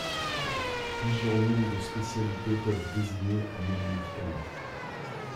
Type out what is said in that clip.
Plusieurs noms de spécialité peuvent désigner un même médicament.